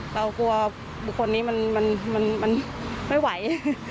เรากลัวบุคคลนี้มันไม่ไหว